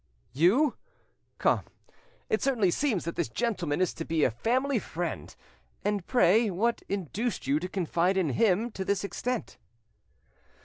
"You! Come, it certainly seems that this gentleman is to be a family friend. And pray what induced you to confide in him to this extent?"